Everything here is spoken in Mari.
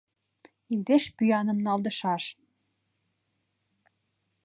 Индеш пӱяным налдышаш.